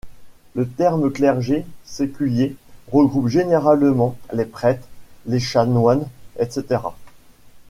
Le terme clergé séculier regroupe généralement les prêtres, les chanoines, etc.